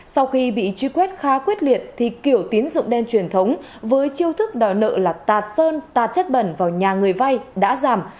sau khi bị truy quét khá quyết liệt thì kiểu tín dụng đen truyền thống với chiêu thức đòi nợ là tạt sơn tạt chất bẩn vào nhà người vay đã giảm